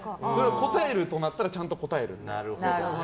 答えるとなったらちゃんと答える。